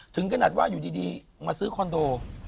ถึงขนาดว่าอยู่ดีมาซื้อคอนโด